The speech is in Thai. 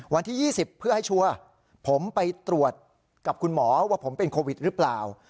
วันที่๒๐เพื่อให้ชัวร์ผมไปตรวจกับคุณหมอว่าผมเป็นโควิดหรือเปล่า